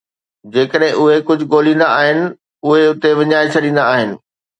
جيڪڏهن اهي ڪجهه ڳوليندا آهن، اهي اتي وڃائي ڇڏيندا آهن